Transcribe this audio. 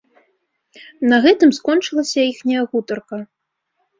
На гэтым скончылася іхняя гутарка.